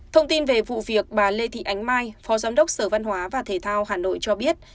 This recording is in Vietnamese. thông tin về vụ việc bà lê thị ánh mai phó giám đốc sở văn hóa và thể thao hà nội cho biết